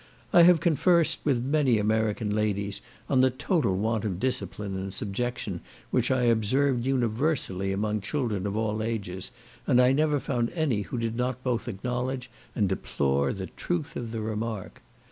I have conversed with many American ladies on the total want of discipline and subjection which I observed universally among children of all ages, and I never found any who did not both acknowledge and deplore the truth of the remark.